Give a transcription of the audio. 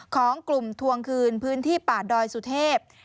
ของกลุ่มทวงคืนพื้นที่ป่าดอยสุเทพ